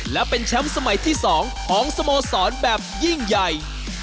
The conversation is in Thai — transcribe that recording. และเป็นแชมป์สมัยที่๒ของสโมสรแบบยิ่งใหญ่